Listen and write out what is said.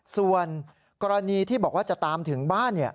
ส่วนกรณีที่บอกว่าจะตามถึงบ้าน